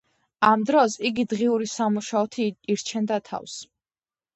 ამ დროს იგი დღიური სამუშაოთი ირჩენდა თავს.